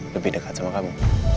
lebih dekat sama kamu